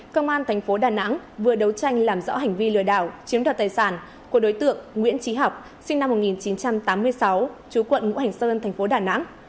công an thành phố đà nẵng vừa đấu tranh làm rõ hành vi lừa đảo chiếm đoạt tài sản của đối tượng nguyễn trí học sinh năm một nghìn chín trăm tám mươi sáu chú quận ngũ hành sơn thành phố đà nẵng